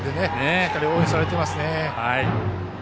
しっかり応援されていますね。